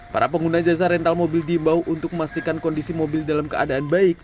para pengguna jasa rental mobil diimbau untuk memastikan kondisi mobil dalam keadaan baik